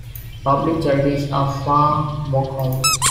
Public charities are far more common.